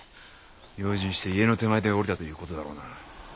用心して家の手前で降りたという事だろうな。